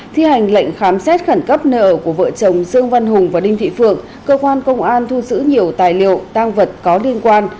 thi hành lệnh khám xét khẩn cấp nợ của vợ chồng dương văn hùng và đinh thị phượng cơ quan công an thu giữ nhiều tài liệu tăng vật có liên quan